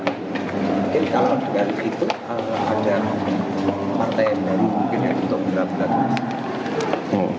jadi kalau dengan itu ada partai yang dari pdip atau bdip